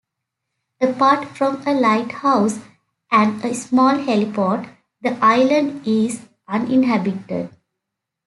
Apart from a lighthouse and a small heliport, the island is uninhabited.